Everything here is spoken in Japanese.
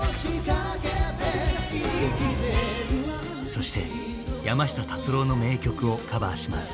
そして山下達郎の名曲をカバーします。